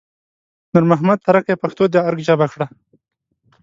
نور محمد تره کي پښتو د ارګ ژبه کړه